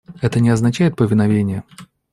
Это не означает повиновение.